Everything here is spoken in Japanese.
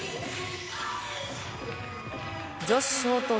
女子ショート